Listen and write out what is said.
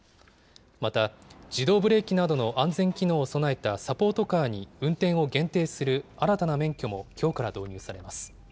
また、自動ブレーキなどの安全機能を備えたサポートカーに運転を限定する新たな免許もきょうから導入されます。